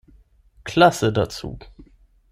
Klasse dazu.